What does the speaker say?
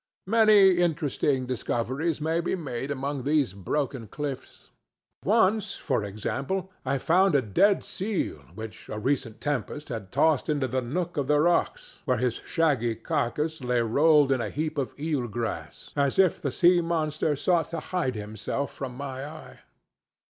Many interesting discoveries may be made among these broken cliffs. Once, for example, I found a dead seal which a recent tempest had tossed into the nook of the rocks, where his shaggy carcase lay rolled in a heap of eel grass as if the sea monster sought to hide himself from my eye.